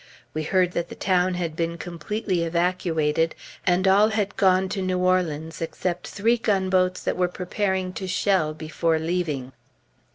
We heard that the town had been completely evacuated, and all had gone to New Orleans except three gunboats that were preparing to shell, before leaving.